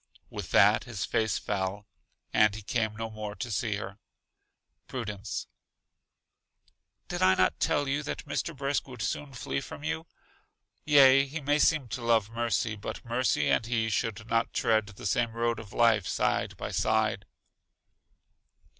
With that his face fell, and he came no more to see her. Prudence: Did I not tell you that Mr. Brisk would soon flee from you? Yea, he may seem to love Mercy, but Mercy and he should not tread the same road of life side by side.